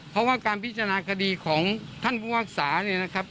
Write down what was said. เพราะว่าการพิจารณาคดีของท่านผู้ว่ากษาเนี่ยนะครับ